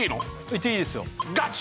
いっていいですよ